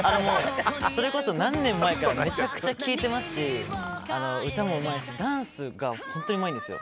それこそ何年も前からめちゃくちゃ聴いてますし歌もうまいし、ダンスが本当にうまいんですよ。